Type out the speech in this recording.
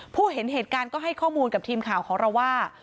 เห็นเหตุการณ์ก็ให้ข้อมูลกับทีมข่าวของเราว่า